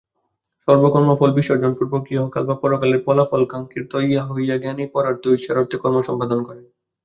সর্বকর্মফল বিসর্জনপূর্বক ইহকাল বা পরকালের ফলাকাঙ্ক্ষারহিত হইয়া জ্ঞানী পরার্থে ও ঈশ্বরার্থে কর্ম সম্পাদন করেন।